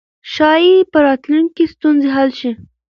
ښايي په راتلونکي کې ستونزې حل شي.